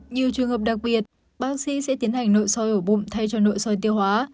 nhiều trường hợp đặc biệt bác sĩ sẽ tiến hành nội soi ổ bụng thay cho nội soi tiêu hóa